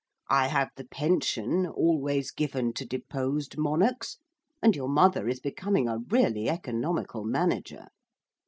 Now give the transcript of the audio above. I have the pension always given to Deposed Monarchs, and your mother is becoming a really economical manager.'